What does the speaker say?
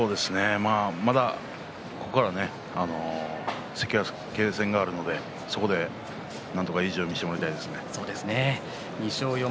まだここから関脇戦があるのでそこでなんとか意地を見せてほしいですね。